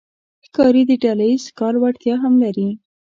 ښکاري د ډلهییز ښکار وړتیا هم لري.